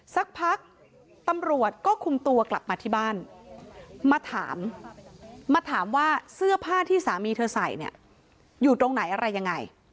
สักพักตำรวจก็คุมตัวกลับมาที่บ้านมาถามมาถามว่าเสื้อผ้าที่สามีเธอใส่เนี่ยอยู่ตรงไหนอะไรยังไง